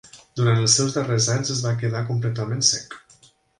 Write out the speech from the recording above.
Durant els seus darrers anys es va quedar completament cec.